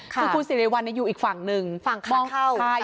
คุณสิริวัลอยู่อีกฝั่งหนึ่งฝั่งข้าว